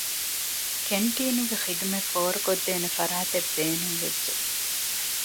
ކެންޓީނުގެ ޚިދުމަތް ފޯރުކޮށްދޭނެ ފަރާތެއް ބޭނުންވެއްޖެ